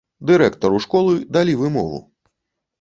Дырэктару школы далі вымову.